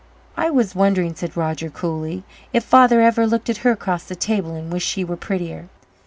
"I was wondering," said Roger coolly, "if Father ever looked at her across the table and wished she were prettier."